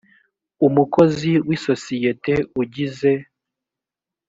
umukozi w isosiyete ugize